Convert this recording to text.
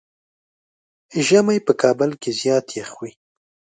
ژمی په کابل کې زيات يخ وي.